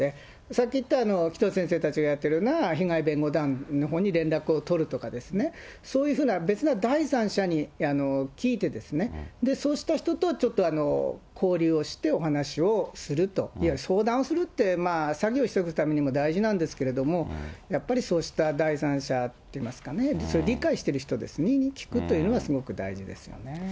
さっき言った紀藤先生たちがやってるような被害弁護団のほうに連絡を取るとかですね、そういうふうな別の第三者に聞いてですね、そうした人とちょっと交流をして、お話をするという、相談をするって、詐欺を防ぐためにも非常に大事なんですけれども、やっぱりそうした第三者といいますかね、理解している人ですね、に、聞くというのがすごく大事ですよね。